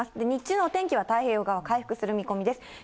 日中のお天気は、太平洋側、回復する見込みです。